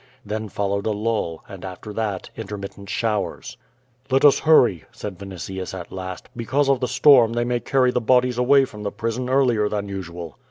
Then follow ed a lull, and, after that, intermit tent showers. "I^et us hurry," said Yinitius, at last. "Because of the storm they may carry the bodies away from the prison earlier than usual."